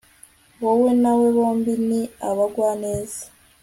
wowe na we bombi ni abagwaneza